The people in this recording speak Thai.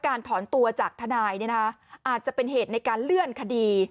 ถอนตัวจากทนายอาจจะเป็นเหตุในการเลื่อนคดี